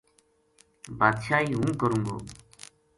بادشاہی ہوں کروں گو‘‘